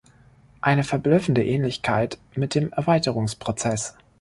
Eine verblüffende Ähnlichkeit mit dem Erweiterungsprozess.